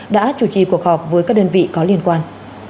đã chủ trì cuộc họp với các đơn vị có liên quan